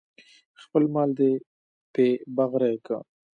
خپل مال دې پې بغرۍ که.